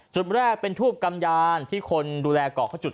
จุดแรกเป็นทูบกำญาณที่คนดูแลเกาะ